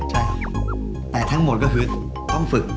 แต่ทั้งหมดก็คือต้องฝึก